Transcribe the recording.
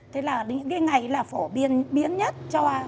thế là những cái ngày là phổ biến nhất cho